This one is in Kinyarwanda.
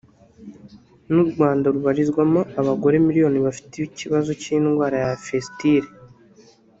n’u Rwanda rubarizwamo abagore miliyoni befite ikibazo cy’indwara ya fisitile